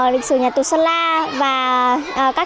lịch sử nhà tù sơn la